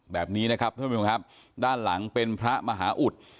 แบบนี้นะครับท่านผู้ชมครับด้านหลังเป็นพระมหาอุทธิ์